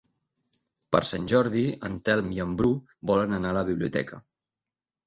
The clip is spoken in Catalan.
Per Sant Jordi en Telm i en Bru volen anar a la biblioteca.